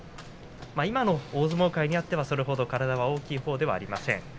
今の大相撲界においては体は大きいほうではありません。